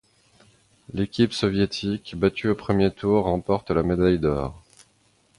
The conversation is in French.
L'équipe soviétique, battue au premier tour, remporte la médaille d'or.